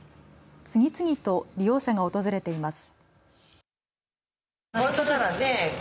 次々と利用者が訪れています。